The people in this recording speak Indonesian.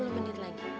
eh sepuluh menit lagi